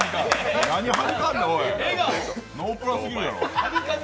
ノープランすぎるやろ。